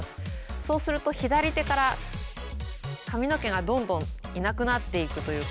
そうすると左手から髪の毛がどんどんいなくなっていくというか。